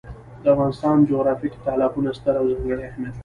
د افغانستان جغرافیه کې تالابونه ستر او ځانګړی اهمیت لري.